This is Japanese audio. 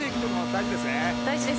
大事ですね。